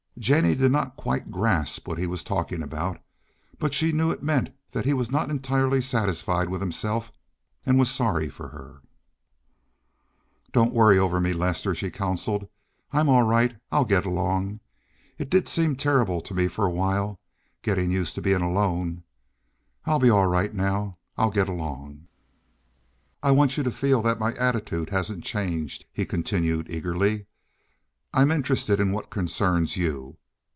Jennie did not quite grasp what he was talking about, but she knew it meant that he was not entirely satisfied with himself and was sorry for her. "Don't worry over me, Lester," she consoled. "I'm all right; I'll get along. It did seem terrible to me for a while—getting used to being alone. I'll be all right now. I'll get along." "I want you to feel that my attitude hasn't changed," he continued eagerly. "I'm interested in what concerns you.